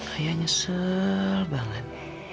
ayah nyesel banget